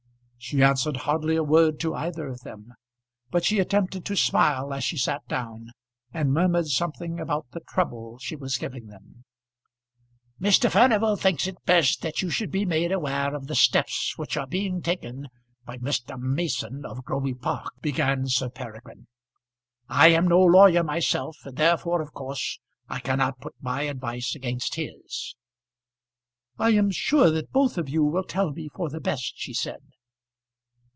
She answered hardly a word to either of them, but she attempted to smile as she sat down, and murmured something about the trouble she was giving them. "Mr. Furnival thinks it best that you should be made aware of the steps which are being taken by Mr. Mason of Groby Park," began Sir Peregrine. "I am no lawyer myself, and therefore of course I cannot put my advice against his." "I am sure that both of you will tell me for the best," she said.